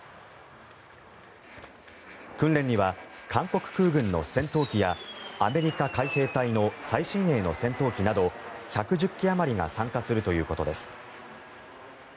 訓練には韓国空軍の戦闘機やアメリカ海兵隊の最新鋭の戦闘機など１１０機あまりが参加するということです。